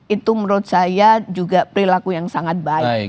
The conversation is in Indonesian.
itu menurut saya juga perilaku yang sangat baik